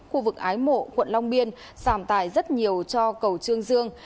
khu vực ái mộ quận long biên giảm tài rất nhiều cho cầu trương dương